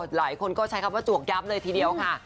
หลายคนก็ใช้คำว่าจวกย้ำเลยทีเดียวค่ะ